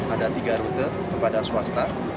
ada tiga rute kepada swasta